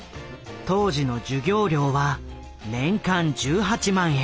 当時の授業料は年間１８万円。